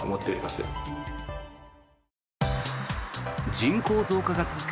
人口増加が続く